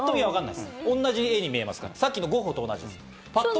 同じ絵に見えますから、さっきのゴッホと同じ。